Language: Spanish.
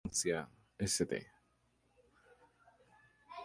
Tal vez por coincidencia, St.